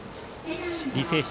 履正社。